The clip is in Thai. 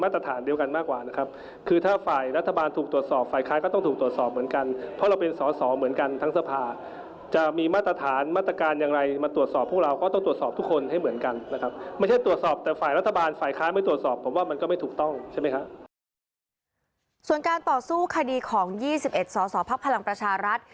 ส่วนการต่อสู้คดีของ๒๑ศาสตรภพพลังประชารัฐ